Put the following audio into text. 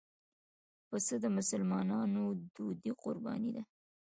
پسه د مسلمانانو دودي قرباني ده.